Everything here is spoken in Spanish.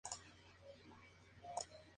Jugó en Miami Christian High School.